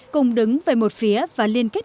cùng đứng về một phía và liên kết